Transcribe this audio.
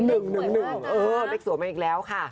อุ้ยสวยมากค่ะค่ะเป็นสวยมากอีกแล้วค่ะ